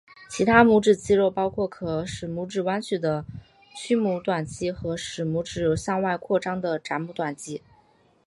其他拇指肌肉包括可使拇指弯曲的屈拇短肌和使拇指向外张开的展拇短肌。